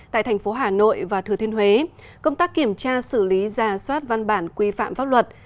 tại thành phố hà nội và thừa thiên huế công tác kiểm tra xử lý ra soát văn bản quy phạm pháp luật